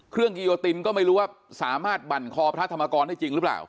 กิโยตินก็ไม่รู้ว่าสามารถบั่นคอพระธรรมกรได้จริงหรือเปล่า